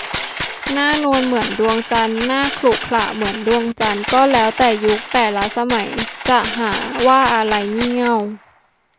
หน้านวลเหมือนดวงจันทร์ หน้าขรุขระเหมือนดวงจันทร์ ก็แล้วแต่ยุค แต่ละสมัย จะหาว่าอะไร "งี่เง่า"